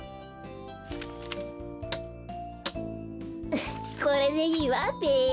ウフッこれでいいわべ。